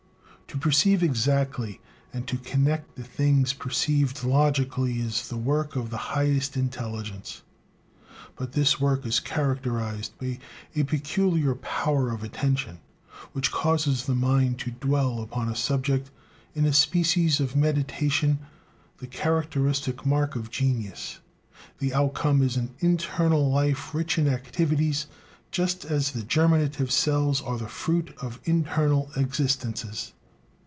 To perceive exactly and to connect the things perceived logically is the work of the highest intelligence. But this work is characterized by a peculiar power of attention, which causes the mind to dwell upon a subject in a species of meditation, the characteristic mark of genius; the outcome is an internal life rich in activities, just as the germinative cells are the fruit of internal existences.